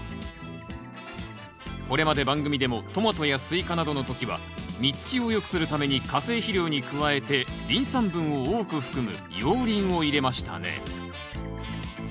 これまで番組でもトマトやスイカなどの時は実つきを良くするために化成肥料に加えてリン酸分を多く含む熔リンを入れましたね。